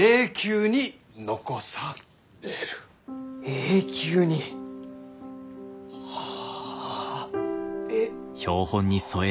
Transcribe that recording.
永久に！？はあ。え。